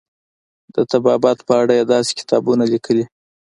د طبابت په اړه یې داسې کتابونه لیکلي.